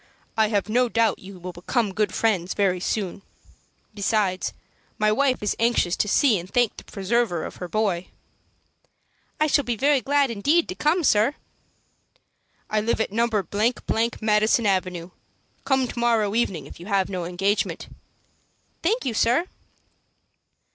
"I have no doubt you will become good friends very soon. Besides, my wife is anxious to see and thank the preserver of her boy." "I shall be very glad indeed to come, sir." "I live at No. Madison Avenue. Come to morrow evening, if you have no engagement." "Thank you, sir."